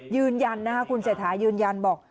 ยืนยันนะคะคุณเศรษฐายืนยันบอก